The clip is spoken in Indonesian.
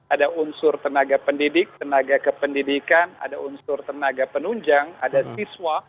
ada unsur tenaga pendidik tenaga kependidikan ada unsur tenaga penunjang ada siswa